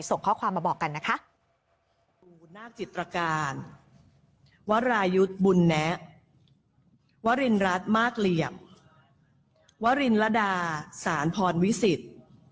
สารพรวิสิทธิ์